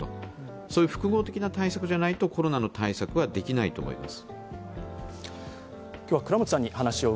そういう複合的な対策じゃないと、コロナの対策はできないと思います。